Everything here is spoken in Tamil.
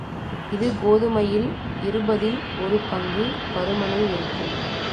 இது கோதுமையில் இருபதில் ஒரு பங்கு பருமனே இருக்கும்.